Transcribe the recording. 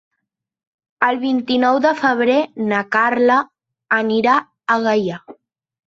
El vint-i-nou de febrer na Carla anirà a Gaià.